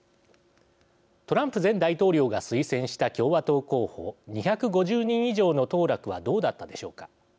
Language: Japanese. トランプ前大統領が推薦した共和党候補２５０人以上の当落はどうだったでしょうか。